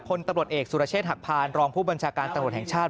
พลตำรวจเอกสุรเชษฐหักพานรองผู้บัญชาการตำรวจแห่งชาติ